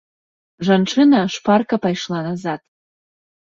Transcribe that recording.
Жанчына шпарка пайшла назад.